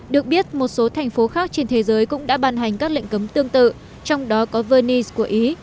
được biết một số thành phố khác trên thế giới cũng đã ban hành các lệnh cấm tương tự trong đó có venice của ý